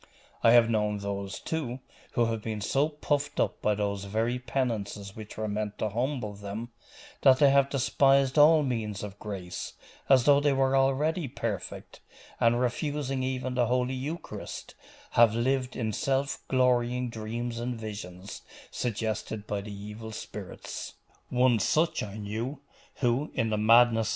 I have known those, too, who have been so puffed up by those very penances which were meant to humble them, that they have despised all means of grace, as though they were already perfect, and refusing even the Holy Eucharist, have lived in self glorying dreams and visions suggested by the evil spirits. One such I knew, who, in the madness?